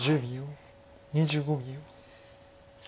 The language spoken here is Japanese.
２５秒。